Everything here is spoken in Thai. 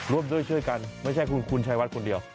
ร่วมด้วยช่วยกันไม่ใช่คุณชายวัดคนเดียว